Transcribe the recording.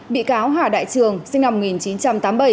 bị cáo hà đại trường sinh năm một nghìn chín trăm tám mươi bảy